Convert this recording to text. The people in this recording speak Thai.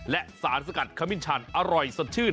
และสารสกัดขมิ้นชันอร่อยสดชื่น